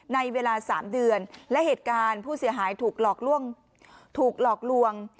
ในเวลา๓เดือนและเหตุการณ์ผู้เสียหายถูกหลอกลวง